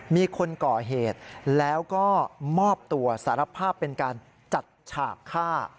มีคนก่อเหตุแล้วก็มอบตัวสารภาพเป็นการจัดฉากฆ่า